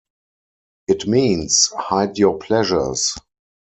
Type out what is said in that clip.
It means, Hide your pleasures.